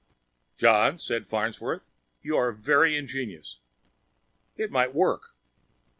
"John," said Farnsworth, "you are very ingenious. It might work."